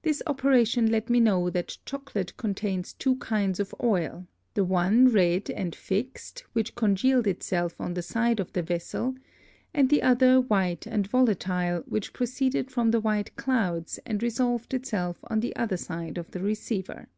This Operation let me know that Chocolate contains two kinds of Oil; the one Red and Fixed, which congealed it self on the side of the Vessel; and the other White and Volatile, which proceeded from the white Clouds, and resolved itself on the other side of the Receiver.